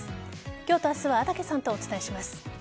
今日と明日は安宅さんとお伝えします。